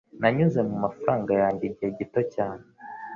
Nanyuze mumafaranga yanjye mugihe gito cyane.